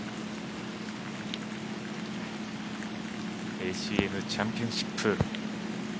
ＡＣＮチャンピオンシップ。